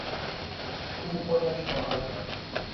او خودش خواهد رفت.